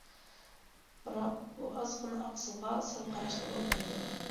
بىراق بۇ ئازغىنە ئاقسىلغا سەل قاراشقا بولمايدۇ.